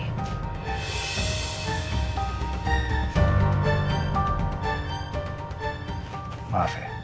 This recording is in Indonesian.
ada kelanjutan apa lagi